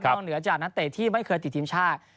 เหนือจากนักเตะที่ไม่เคยติดทีมชาติ